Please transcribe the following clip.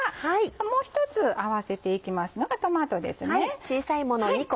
もう１つ合わせていきますのがトマトですね。